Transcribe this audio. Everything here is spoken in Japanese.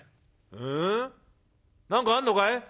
「えっ何かあんのかい？」。